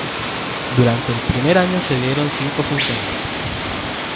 Durante el primer año se dieron cinco funciones.